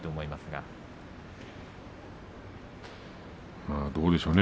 どうでしょうね。